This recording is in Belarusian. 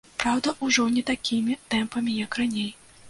Праўда, ужо не такімі тэмпамі, як раней.